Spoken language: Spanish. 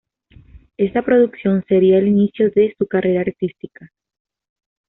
Esta producción sería el inicio de su carrera artística.